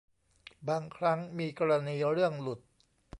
บางครั้งมีกรณีเรื่องหลุด